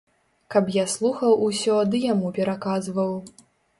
Каб я слухаў усё ды яму пераказваў.